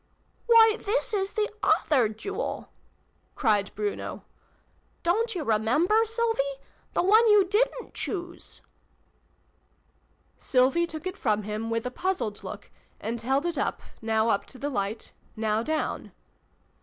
" Why, this is the other Jewel !" cried Bruno. " Don't you remember, Sylvie ? The one you didrit choose !" Sylvie took it from him, with a puzzled look, and held it, now up to the light, now down.